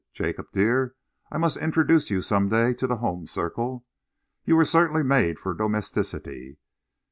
Jacob dear, I must introduce you some day to the home circle. You were certainly made for domesticity.